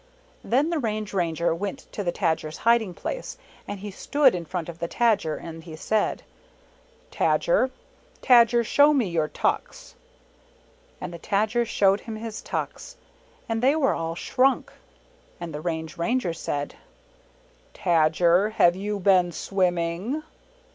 Then the Range Ranger went to the lajer's hiding place, and he stood in front of the Tajer, and he said, "Tajer, Tajer, show me your tucks." And 25 ' M the Tajer showed him his tucks, and they were all shrunk. And the Range Ranger said, "Tajer, have you been swimming?"